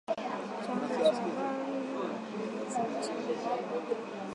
Chanzo cha habari hii ni gazeti la Kufuatilia linalochapishwa Uganda.